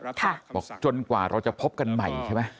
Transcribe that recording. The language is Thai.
บอกจนกว่าเราจะพบกันใหม่ใช่ไหม